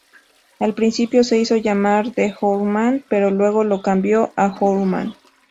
Al principio se hizo llamar The Hour-Man, pero luego lo cambió a Hourman.